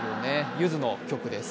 ゆずの曲です。